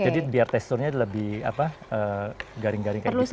jadi biar teksturnya lebih apa garing garing kayak gini gimana